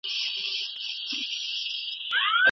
انا غوښتل چې د یوې شېبې لپاره له ماشومه پنا شي.